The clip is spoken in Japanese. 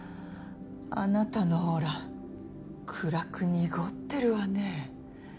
あなたのオーラ暗く濁ってるわね。